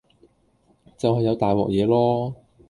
就係有大鑊嘢囉